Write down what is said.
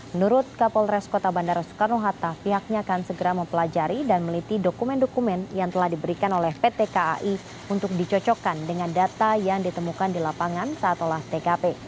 menurut kapolres kota bandara soekarno hatta pihaknya akan segera mempelajari dan meliti dokumen dokumen yang telah diberikan oleh pt kai untuk dicocokkan dengan data yang ditemukan di lapangan saat olah tkp